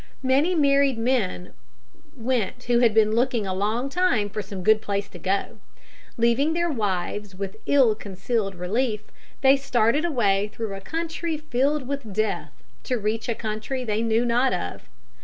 Many married men went who had been looking a long time for some good place to go to. Leaving their wives with ill concealed relief, they started away through a country filled with death, to reach a country they knew not of.